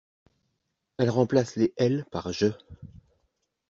Elle remplace les Elle par Je.